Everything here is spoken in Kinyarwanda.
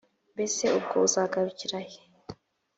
mbese ubwo uzagarukira he?!